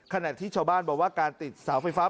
ขณะที่ชาวบ้านบอกว่าการติดเสาไฟฟ้า